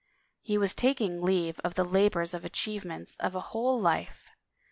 He was taking leave of the labors and achievements of a whole life.